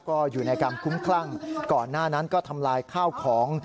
ก็อยู่ในการคุ้มคลั่งก่อนหน้านั้นก็ทำลายข้าวของ